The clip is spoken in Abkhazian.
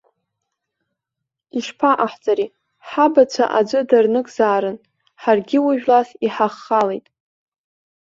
Ишԥаҟаҳҵари, ҳабацәа аӡәы дарныгзаарын, ҳаргьы уи жәлас иҳаххалеит.